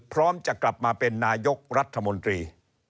พร้อมจะกลับมาเป็นนายกรัฐมนตรี